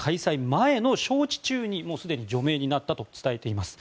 前の招致中にすでに除名になったと伝えています。